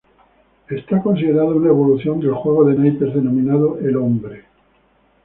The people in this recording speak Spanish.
Es considerado una evolución del juego de naipes denominado "El Hombre".